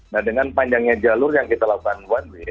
nah dengan panjangnya jalur yang kita lakukan one way